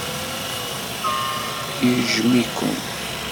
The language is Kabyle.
Yejjem-iken.